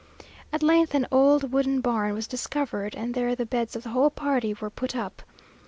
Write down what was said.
At length an old wooden barn was discovered, and there the beds of the whole party were put up!